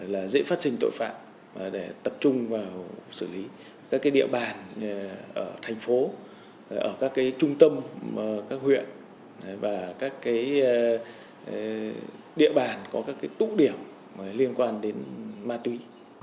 là dễ phát sinh tội phạm để tập trung vào xử lý các cái địa bàn ở thành phố ở các cái trung tâm các huyện và các cái địa bàn có các cái tú điểm liên quan đến ma túy